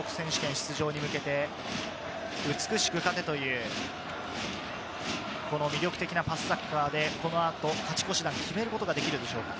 ３大会ぶり９回目の全国選手権出場に向けて、「美しく勝て」という魅力的なパスサッカーで、この後、勝ち越しを決めることができるでしょうか。